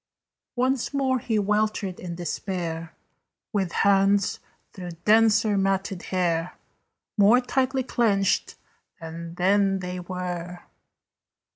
Once more he weltered in despair, With hands, through denser matted hair, More tightly clenched than then they were.